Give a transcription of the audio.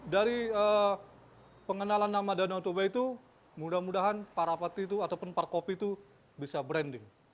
dari pengenalan nama danau toba itu mudah mudahan para aparti itu ataupun parkopi itu bisa branding